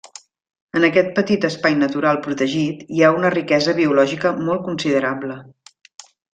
En aquest petit espai natural protegit hi ha una riquesa biològica molt considerable.